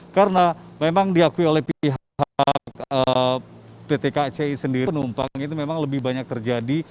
karena memang diakui oleh pihak pt kci sendiri penumpang itu memang lebih banyak terjadi